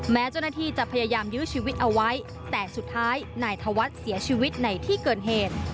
แม้เจ้าหน้าที่จะพยายามยื้อชีวิตเอาไว้แต่สุดท้ายนายธวัฒน์เสียชีวิตในที่เกิดเหตุ